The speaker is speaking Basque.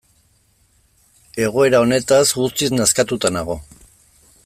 Egoera honetaz guztiz nazkatuta nago.